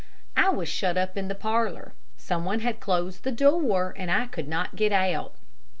I was shut up in the parlor. Some one had closed the door, and I could not get out.